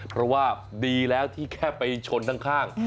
เพราะว่าดีแล้วที่แค่ไปชนข้าง